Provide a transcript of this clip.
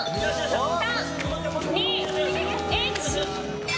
３・２・１。